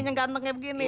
yang gantengnya begini